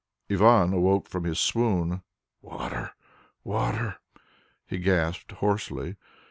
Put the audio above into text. Ivan awoke from his swoon. "Water! Water!" he gasped hoarsely.